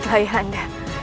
baiklah ayah anda